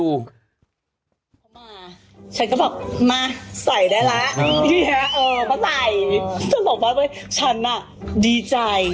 เออมาใส่